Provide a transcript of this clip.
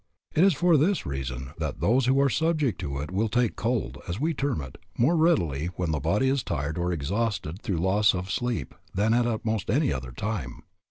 It is for this reason that those who are subject to it will take a cold, as we term it, more readily when the body is tired or exhausted through loss of sleep than at most any other time.